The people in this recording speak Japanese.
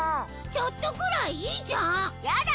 ちょっとくらいいいじゃん！やだ！